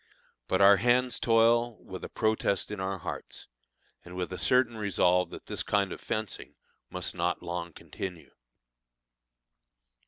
But our hands toil with a protest in our hearts, and with a certain resolve that this kind of fencing must not long continue.